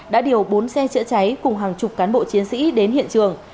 đã điều bốn xe chữa cháy cùng hàng chục cán bộ chiến sĩ đến hiện trường